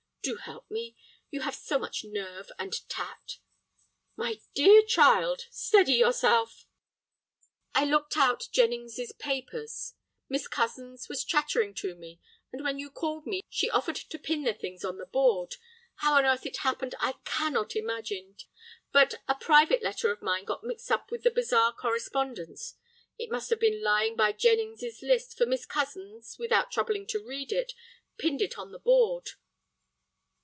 Do help me. You have so much nerve and tact." "My dear child, steady yourself." "I looked out Jennings's papers; Miss Cozens was chattering to me, and when you called me, she offered to pin the things on the board. How on earth it happened, I cannot imagine, but a private letter of mine had got mixed up with the bazaar correspondence. It must have been lying by Jennings's list, for Miss Cozens, without troubling to read it, pinned it on the board."